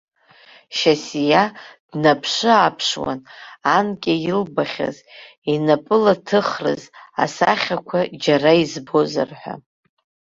Шьасиа днаԥшы-ааԥшуан анкьа илбахьаз, инапылаҭыхраз асахьақәа џьара избозар ҳәа.